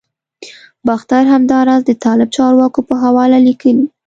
باختر همداراز د طالب چارواکو په حواله لیکلي